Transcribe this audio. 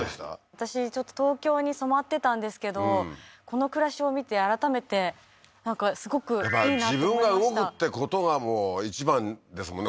私東京に染まってたんですけどこの暮らしを見て改めてなんかすごくいいなと思いました自分が動くってことが一番ですもんね